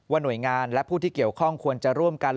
หน่วยงานและผู้ที่เกี่ยวข้องควรจะร่วมกัน